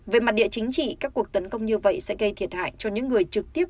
về mặt địa chính trị các cuộc tấn công như vậy sẽ gây thiệt hại cho những người trực tiếp